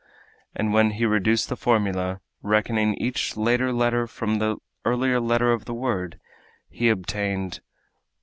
And when he reduced the formula, reckoning each later letter from the earlier letter of the word, he obtained.